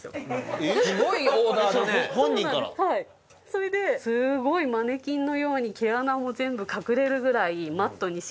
それですごいマネキンのように毛穴も全部隠れるぐらいマットに仕上げたんですけど。